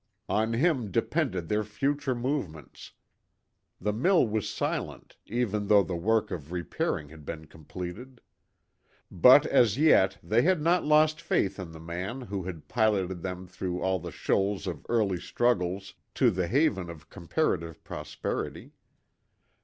On him depended their future movements. The mill was silent, even though the work of repairing had been completed. But, as yet, they had not lost faith in the man who had piloted them through all the shoals of early struggles to the haven of comparative prosperity.